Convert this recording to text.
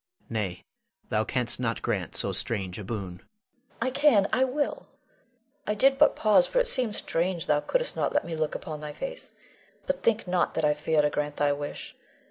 Nay, thou canst not grant so strange a boon. Leonore. I can I will. I did but pause, for it seemed strange thou couldst not let me look upon thy face. But think not that I fear to grant thy wish.